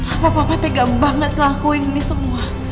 apa apa tegang banget ngelakuin ini semua